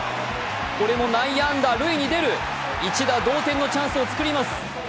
これも内野安打、塁に出る一打同点のチャンスを作ります。